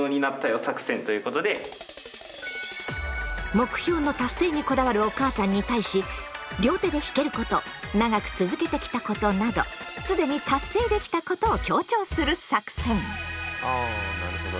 目標の達成にこだわるお母さんに対し両手で弾けること長く続けてきたことなど既に達成できたことを強調する作戦！